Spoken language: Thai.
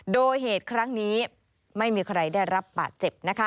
โดยเหตุครั้งนี้ไม่มีใครได้รับบาดเจ็บ